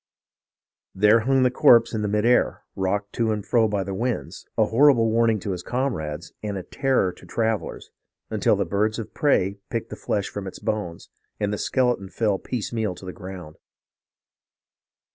There hung the corpse in mid air, rocked to and fro by the winds, a horrible warning to his comrades and a terror to travellers, until the birds of prey picked the flesh from its bones, and the skeleton fell piecemeal to the ground.